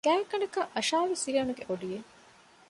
ގާތްގަނޑަކަށް އަށާވީސް ރިޔަނުގެ އޮޑިއެއް